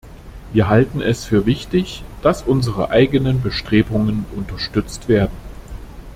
Wir halten es für wichtig, dass unsere eigenen Bestrebungen unterstützt werden.